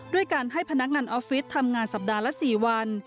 ด้วยการให้พนักงานออฟฟิศทำงานสัปดาห์ละ๔วัน